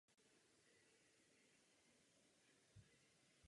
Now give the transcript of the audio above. V kapli se nachází oltář s obrazem od neznámého autora.